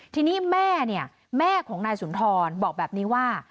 ทีนี้แม่ของนางสุนทรบอกแบบนี้ว่า